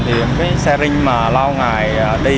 thì xe rinh mà lao ngày đi